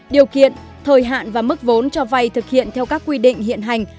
điều kiện thời hạn và mức vốn cho vay thực hiện theo các quy định hiện hành